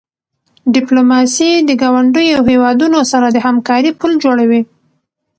ډیپلوماسي د ګاونډیو هېوادونو سره د همکاری پل جوړوي.